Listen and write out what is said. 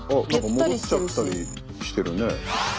戻っちゃったりしてるね。